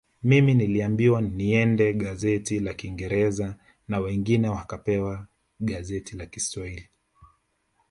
Mimi niliambiwa niende gazeti la kingereza na wengine wakapewa gazeti la kishwahili